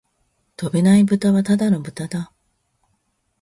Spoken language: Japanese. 飛べないブタはただの豚だ